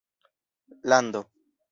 lando